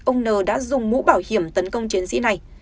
ông n đã dùng mũ bảo hiểm tấn công chiến sĩ này